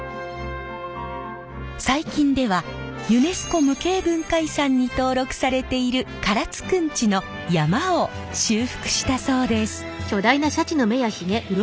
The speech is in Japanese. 最近ではユネスコ無形文化遺産に登録されている唐津くんちの曳山を修復したそうです。